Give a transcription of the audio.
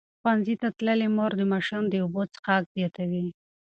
ښوونځې تللې مور د ماشوم د اوبو څښاک زیاتوي.